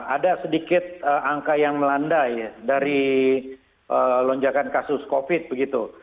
ada sedikit angka yang melandai dari lonjakan kasus covid begitu